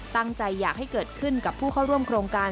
อยากให้เกิดขึ้นกับผู้เข้าร่วมโครงการ